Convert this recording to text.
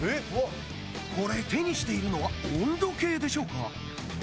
これ手にしているのは温度計でしょうか？